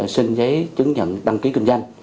xin giấy chứng nhận đăng ký kinh doanh